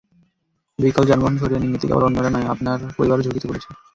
বিকল যানবাহন সারিয়ে নিন, এতে কেবল অন্যরা নয়, আপনার পরিবারও ঝুঁকিতে পড়ছে।